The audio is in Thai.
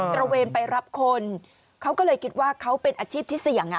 ระเวนไปรับคนเขาก็เลยคิดว่าเขาเป็นอาชีพที่เสี่ยง